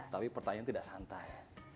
tapi pertanyaan tidak santai